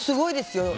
すごいですよ。